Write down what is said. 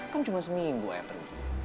kan cuma seminggu ayah